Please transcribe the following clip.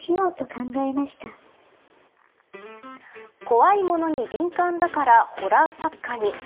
怖いものに敏感だからホラー作家に。